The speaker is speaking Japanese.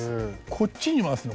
こっちに回すの？